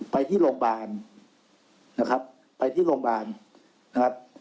ไปที่โรงพยาบาลนะครับไปที่โรงพยาบาลนะครับ